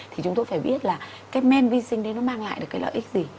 thì chúng tôi phải biết là cái men vi sinh đấy nó mang lại được cái lợi ích gì